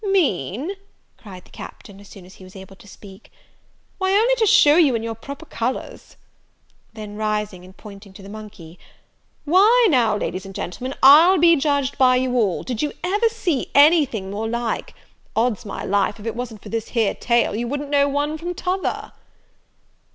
"Mean?" cried the Captain, as soon as he was able to speak; "why only to shew you in your proper colours." Then rising, and pointing to the monkey, "Why now, ladies and gentlemen, I'll be judged by you all! Did you ever see any thing more like? Odds my life, if it wasn't for this here tail, you wouldn't know one from t'other."